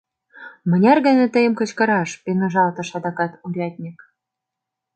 — Мыняр гана тыйым кычкыраш!— пеҥыжалтыш адакат урядник.